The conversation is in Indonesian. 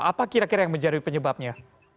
apa kira kira yang menjadi penyebabnya